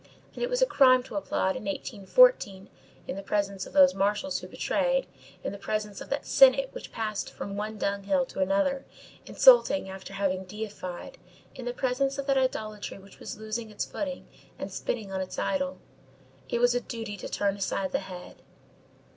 And it was a crime to applaud, in 1814, in the presence of those marshals who betrayed; in the presence of that senate which passed from one dunghill to another, insulting after having deified; in the presence of that idolatry which was loosing its footing and spitting on its idol,—it was a duty to turn aside the head.